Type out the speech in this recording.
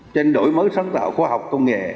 cho nên đổi mới sáng tạo khoa học công nghệ